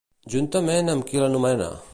Juntament amb qui l'anomena?